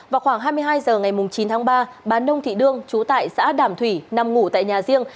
vào khoảng hai mươi hai h ngày chín tháng ba bán nông thị đương trú tại xã đàm thủy nằm ngủ tại nhà riêng